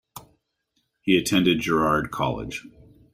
He attended Girard College.